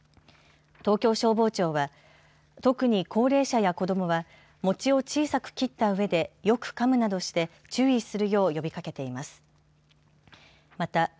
東京消防庁は特に高齢者や子どもは餅を小さく切った上でよくかむなどして注意するよう呼びかけています。